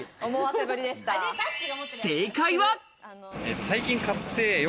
正解は。